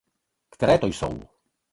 Které to jsou?